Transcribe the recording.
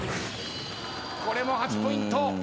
これも８ポイント。